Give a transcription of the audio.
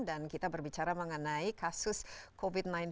dan kita berbicara mengenai kasus covid sembilan belas tersebut